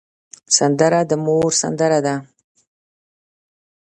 سندره د مور سندره ده